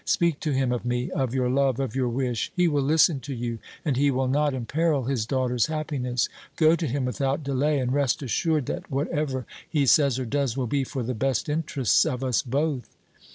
Speak to him of me, of your love, of your wish. He will listen to you and he will not imperil his daughter's happiness. Go to him without delay, and rest assured that whatever he says or does will be for the best interests of us both."